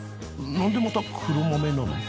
何でまた黒豆なの？